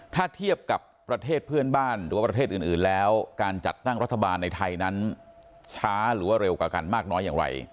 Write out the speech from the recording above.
ถ้าเทียบกับประเทศเพื่อนบ้านหรือว่าประเทศอื่นแล้วการจัดตั้งรัฐบาลในไทยนั้นช้าหรือว่าเร็วกว่ากันมากน้อยอย่างไร